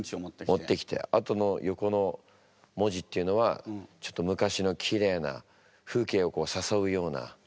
持ってきてあとの横の文字っていうのはちょっと昔のきれいな風景をさそう。